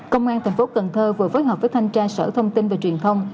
công an tp cần thơ vừa phối hợp với thanh tra sở thông tin và truyền thông